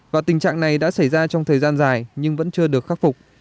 và tình trạng này đã xảy ra trong thời gian dài nhưng vẫn chưa được khắc phục